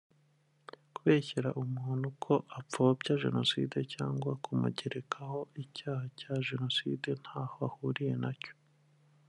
Kubeshyera umuntu ko apfobya jenoside cyangwa kumugerakaho icyaha cya jenoside nta ho ahuriye na cyo